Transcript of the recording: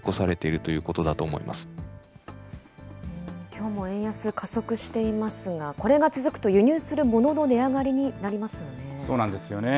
きょうも円安、加速していますが、これが続くと輸入するものの値上がりになりますよね。